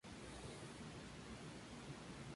La versión griega originó dos traducciones latinas.